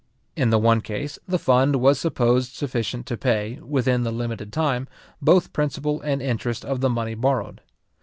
In the one case, the fund was supposed sufficient to pay, within the limited time, both principal and interest of the money borrowed.